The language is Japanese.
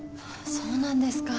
そうなんですか。